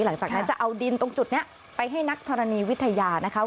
หลังจากนั้นจะเอาดินตรงจุดนี้ไปให้นักธรณีวิทยานะคะ